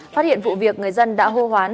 phát hiện vụ việc người dân đã hô hoán